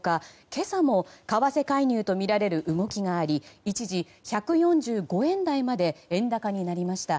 今朝も為替介入とみられる動きがあり、一時１４５円台まで円高になりました。